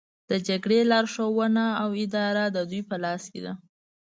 د جګړې لارښوونه او اداره د دوی په لاس کې ده